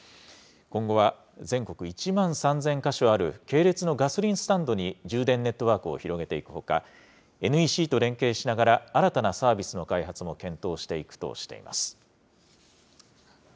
今後は全国１万３０００か所ある系列のガソリンスタンドに充電ネットワークを広げていくほか、ＮＥＣと連携しながら、新たなサービスの開発も検討していくとしています。